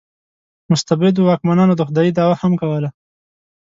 مستبدو واکمنانو د خدایي دعوا هم کوله.